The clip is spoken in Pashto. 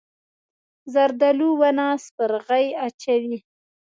زردالو ونه سپرغۍ اچوي.